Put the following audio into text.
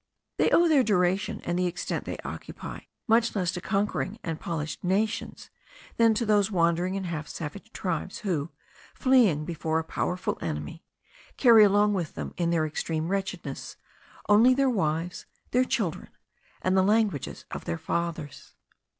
They owe their duration, and the extent they occupy, much less to conquering and polished nations, than to those wandering and half savage tribes, who, fleeing before a powerful enemy, carried along with them in their extreme wretchedness only their wives, their children, and the languages of their fathers.